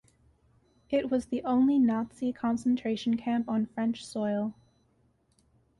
It was the only Nazi concentration camp on French soil.